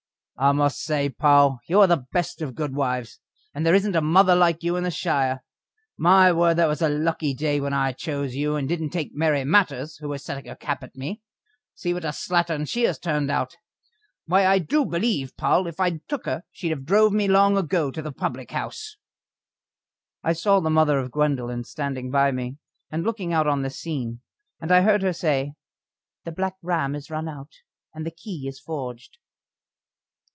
"I must say, Poll, you are the best of good wives, and there isn't a mother like you in the shire. My word! that was a lucky day when I chose you, and didn't take Mary Matters, who was setting her cap at me. See what a slattern she has turned out. Why, I do believe, Poll, if I'd took her she'd have drove me long ago to the public house." I saw the mother of Gwendoline standing by me and looking out on this scene, and I heard her say: "The Black Ram is run out, and the key is forged."